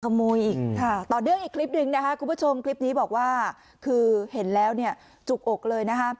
อีกค่ะต่อเนื่องอีกคลิปหนึ่งนะคะคุณผู้ชมคลิปนี้บอกว่าคือเห็นแล้วเนี่ยจุกอกเลยนะคะ